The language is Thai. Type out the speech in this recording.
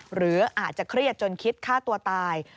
หรืออาจจะเครียดจนคิดฆ่าตัวตาย